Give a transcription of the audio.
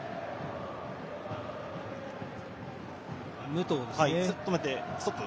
武藤ですね。